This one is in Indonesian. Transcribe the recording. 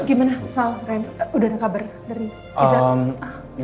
gimana sal randy udah ada kabar dari izan